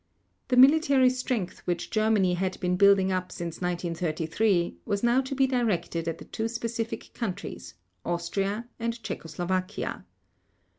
The military strength which Germany had been building up since 1933 was now to be directed at the two specific countries, Austria and Czechoslovakia.